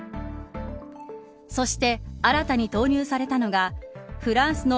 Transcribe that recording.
そして、新たに投入されたのがフランスの